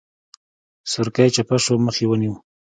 سورکی چپه شو مخ يې ونيو.